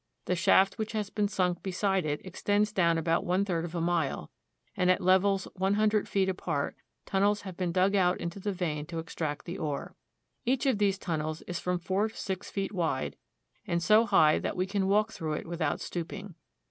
The shaft which has been sunk beside it extends down about one third of a mile, and at levels one hundred feet apart tunnels have been dug out into the vein to extract the ore. Each of these tunnels is from four to six feet wide, and so high that we can walk through it without stooping.